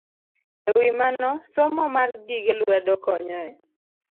E wi mano, somo mar gige lwedo konyo e